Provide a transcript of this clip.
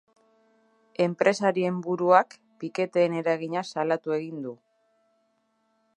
Enpresarien buruak piketeen eragina salatu egin du.